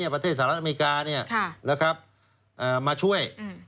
ประเทศสหรัฐอเมริกามาช่วย